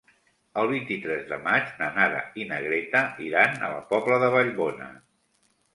El vint-i-tres de maig na Nara i na Greta iran a la Pobla de Vallbona.